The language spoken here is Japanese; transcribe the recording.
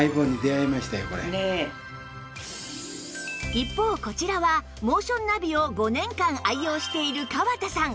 一方こちらはモーションナビを５年間愛用している川田さん。